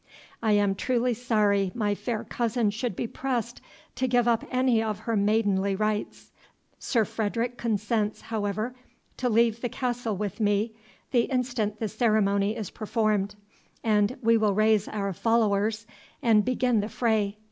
I am truly sorry my fair cousin should be pressed to give up any of her maidenly rights. Sir Frederick consents, however, to leave the castle with me the instant the ceremony is performed, and we will raise our followers and begin the fray.